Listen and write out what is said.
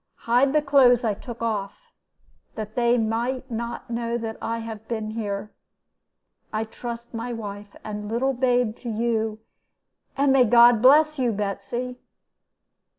Hide the clothes I took off, that they may not know I have been here. I trust my wife and little babe to you, and may God bless you, Betsy!'